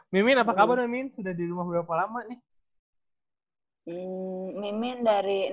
mimin apa kabar mimin sudah di rumah berapa lama nih